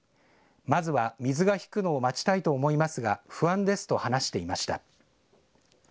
まずは水が引くのを待ちたいと思いますが不安ですと話していました。